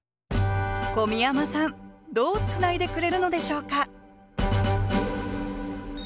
小宮山さんどうつないでくれるのでしょうか？